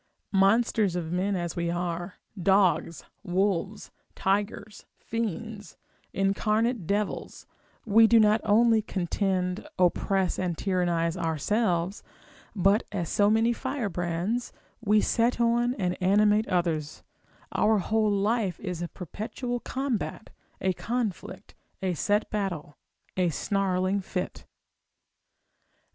Monsters of men as we are, dogs, wolves, tigers, fiends, incarnate devils, we do not only contend, oppress, and tyrannise ourselves, but as so many firebrands, we set on, and animate others: our whole life is a perpetual combat, a conflict, a set battle, a snarling fit.